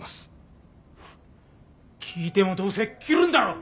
聞いてもどうせ切るんだろ。